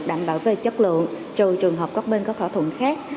đảm bảo về chất lượng trừ trường hợp các bên có thỏa thuận khác